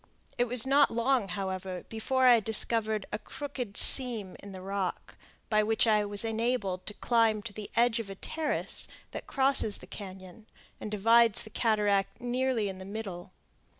It was not long, however, before I discovered a crooked seam in the rock, by which I was enabled to climb to the edge of a terrace that crosses the cañon, and divides the cataract nearly in the middle.